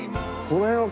この辺は。